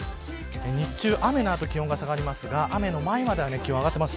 日中、雨の後気温が下がりますが雨の前までは気温が上がってます。